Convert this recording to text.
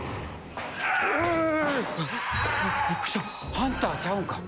ハンターちゃうんか？